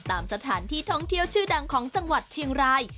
ตามสถานที่ท่องเที่ยวชื่อดังของจังหวัดเชียงราย